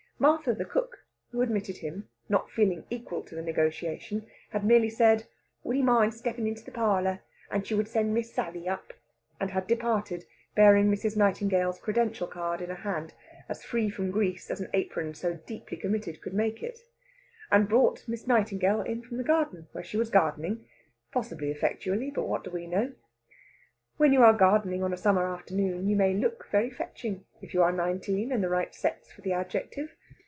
Martha the cook, who admitted him, not feeling equal to the negotiation, had merely said would he mind steppin' in the parlour, and she would send Miss Sally up? and had departed bearing Mrs. Nightingale's credential card in a hand as free from grease as an apron so deeply committed could make it, and brought Miss Nightingale in from the garden, where she was gardening possibly effectually, but what do we know? When you are gardening on a summer afternoon, you may look very fetching, if you are nineteen, and the right sex for the adjective.